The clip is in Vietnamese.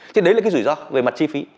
chứ đấy là cái rủi ro về mặt chi phí